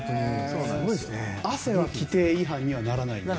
汗は規定違反にはならないんですか？